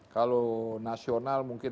kalau nasional mungkin